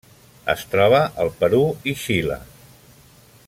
Es troba al Perú i Xile.